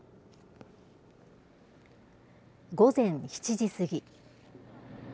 午前７時過ぎ。